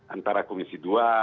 antara komisi dua